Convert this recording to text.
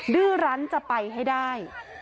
ดื้อรั้นจะไปให้ได้